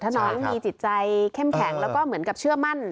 ถ้าน้องมีจิตใจเข้มแข็งแล้วก็เหมือนกับเชื่อมั่น